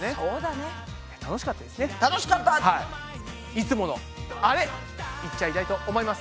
いつものあれいっちゃいたいと思います！